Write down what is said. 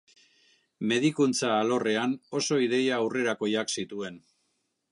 Medikuntza alorrean oso ideia aurrerakoiak zituen.